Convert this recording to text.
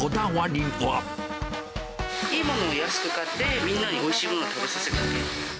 いいものを安く買って、みんなにおいしいものを食べさせたいね。